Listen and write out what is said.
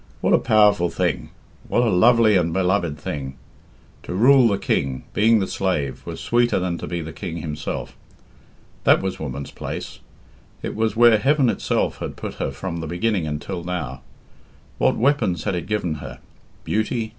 What a powerful thing! What a lovely and beloved thing! To rule the king, being the slave, was sweeter than to be the king himself. That was woman's place. It was where heaven itself had put her from the beginning until now. What weapons had it given her! Beauty!